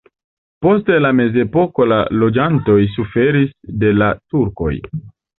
Post la mezepoko la loĝantoj suferis de la turkoj.